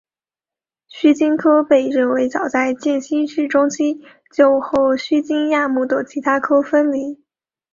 须鲸科被认为早在渐新世中期就和须鲸亚目的其他科分离。